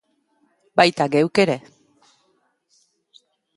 Baita geuk ere!